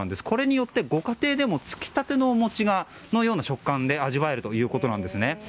これによってご家庭でもつきたてのお餅のような食感で味わえるということなんですね。